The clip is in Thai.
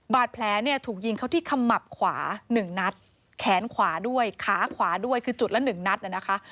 บาดแผลเนี่ยถูกยิงเขาที่ขมับขวา๑นัดแขนขวาด้วยขาขวาด้วยคือจุดละ๑นัดน่ะนะคะ